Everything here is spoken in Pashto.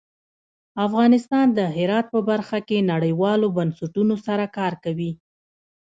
افغانستان د هرات په برخه کې نړیوالو بنسټونو سره کار کوي.